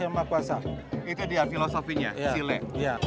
itu dia filosofinya silek